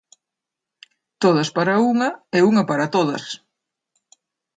Todas para unha e unha para todas.